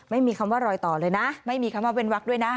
ไม่มีคำว่ารอยต่อเลยนะไม่มีคำว่าเว้นวักด้วยนะ